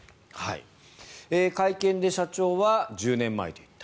会見で社長は１０年前と言った。